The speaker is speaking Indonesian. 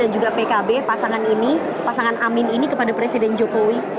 dan juga pkb pasangan ini pasangan amin ini kepada presiden jokowi